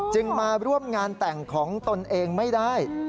มาร่วมงานแต่งของตนเองไม่ได้